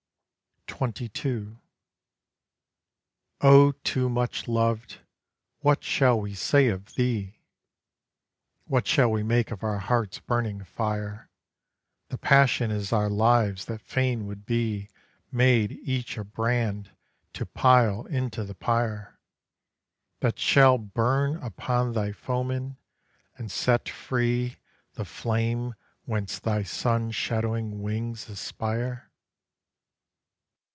22 O too much loved, what shall we say of thee? What shall we make of our heart's burning fire, The passion in our lives that fain would be Made each a brand to pile into the pyre That shall burn up thy foemen, and set free The flame whence thy sun shadowing wings aspire?